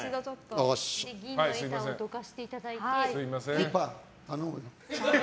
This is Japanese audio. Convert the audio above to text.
キーパー、頼むよ。